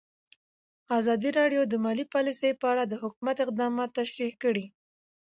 ازادي راډیو د مالي پالیسي په اړه د حکومت اقدامات تشریح کړي.